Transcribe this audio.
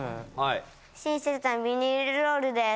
親切なビニールロールです